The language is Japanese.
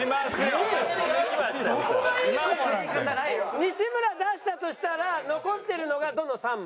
西村出したとしたら残ってるのがどの３枚？